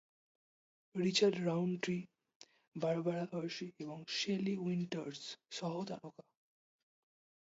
Richard Roundtree, Barbara Hershey এবং Shelley Winters সহ-তারকা।